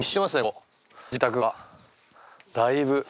住宅がだいぶ。